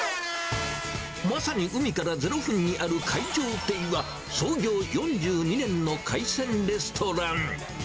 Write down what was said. まさに海から０分にある海上亭は、創業４２年の海鮮レストラン。